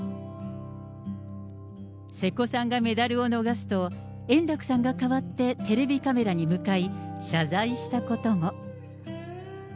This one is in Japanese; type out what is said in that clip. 瀬古さんがメダルを逃すと、円楽さんが代わってテレビカメラに向かい、謝罪したことも。